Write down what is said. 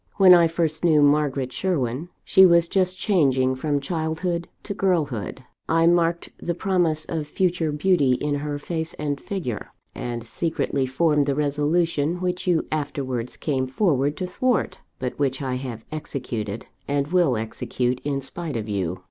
When I first knew Margaret Sherwin, she was just changing from childhood to girlhood. I marked the promise of future beauty in her face and figure; and secretly formed the resolution which you afterwards came forward to thwart, but which I have executed, and will execute, in spite of you.